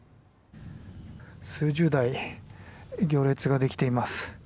数十台、行列ができています。